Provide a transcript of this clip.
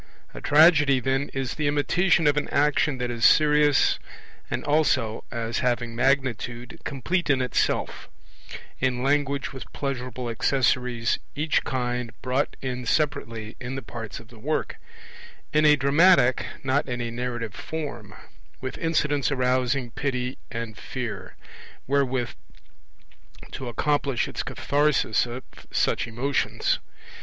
A tragedy, then, is the imitation of an action that is serious and also, as having magnitude, complete in itself; in language with pleasurable accessories, each kind brought in separately in the parts of the work; in a dramatic, not in a narrative form; with incidents arousing pity and fear, wherewith to accomplish its catharsis of such emotions.